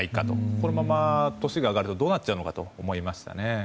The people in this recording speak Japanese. このまま年が上がるとどうなっちゃうのかと思いましたね。